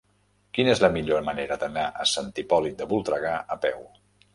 Quina és la millor manera d'anar a Sant Hipòlit de Voltregà a peu?